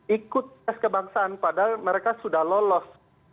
ikut tes kebangsaan padahal mereka sudah lolos